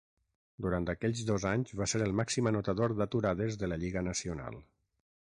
Durant aquells dos anys va ser el màxim anotador d'aturades de la lliga nacional.